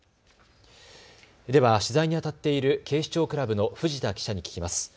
では取材にあたっている警視庁クラブの藤田記者に聞きます。